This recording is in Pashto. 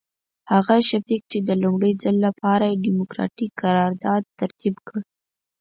هغه شفیق چې د لومړي ځل لپاره یې ډیموکراتیک قرارداد ترتیب کړ.